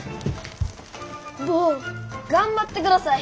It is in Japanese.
坊頑張ってください。